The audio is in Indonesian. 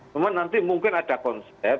cuma nanti mungkin ada konsep